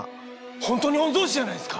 本当に御曹子じゃないすか！